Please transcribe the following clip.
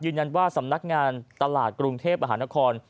ยืนยันว่าสำนักงานตลาดกรุงเทพมหานคร